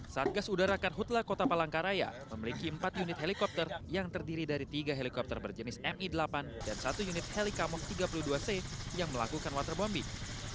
satgas udara karhutla kota palangkaraya memiliki empat unit helikopter yang terdiri dari tiga helikopter berjenis mi delapan dan satu unit heli kamus tiga puluh dua c yang melakukan waterbombing